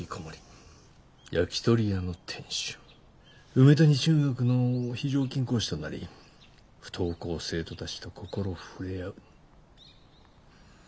梅谷中学の非常勤講師となり不登校生徒たちと心触れ合う。